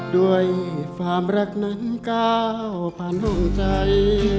ด้วยความรักนั้นก้าวผ่านห้องใจ